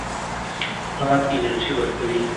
باد انرژي ورکوي.